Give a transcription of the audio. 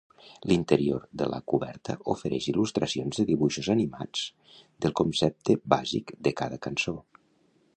L'interior de la coberta ofereix il·lustracions de dibuixos animats del concepte bàsic de cada cançó.